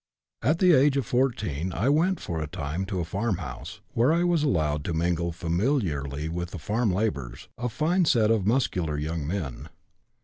"At the age of 14 I went, for a time, to a farm house, where I was allowed to mingle familiarly with the farm laborers, a fine set of muscular young men.